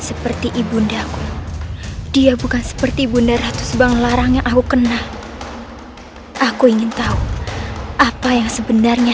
seperti ibunda aku theater seperti bunda raro yang aku kenal iya aku ingin tahu apa yang sebenarnya